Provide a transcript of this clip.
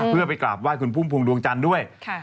เพื่อไปกราบไหว้คุณภูมิภูมิดวงจันทร์ด้วย